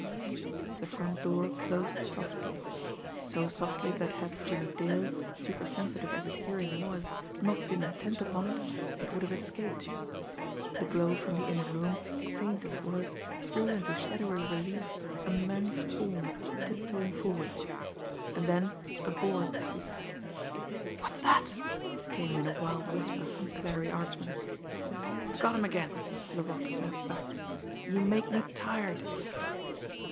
The front door closed softly, so softly that had Jimmie Dale, supersensitive as his hearing was, not been intent upon it, it would have escaped him. The glow from the inner room, faint as it was, threw into shadowy relief a man's form tiptoeing forward and then a board creaked. "What's that!" came in a wild whisper from Clarie Archman. "Got 'em again!" Laroque snapped back. "You make me tired!"